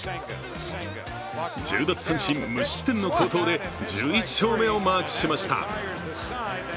１０奪三振、無失点の好投で１１勝目をマークしました。